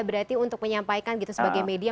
berarti untuk menyampaikan gitu sebagai media